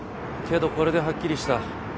けどこれではっきりした。